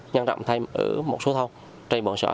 nhăn rậm thêm ở một số thông trong địa bàn xã